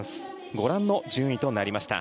ご覧の順位となりました。